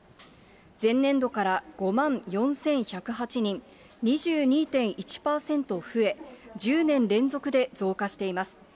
前年度から５万４１０８人、２２．１％増え、１０年連続で増加しています。